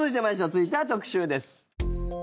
続いては特集です。